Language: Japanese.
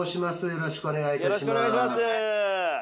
よろしくお願いします。